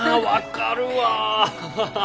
分かるわ！